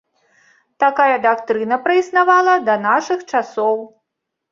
Такая дактрына праіснавала да нашых часоў.